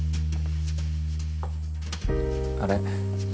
あれ？